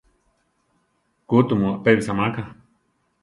¡ʼku tumu apébasi máka!